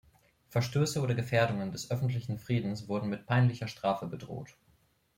Verstöße oder Gefährdungen des öffentlichen Friedens wurden mit peinlicher Strafe bedroht.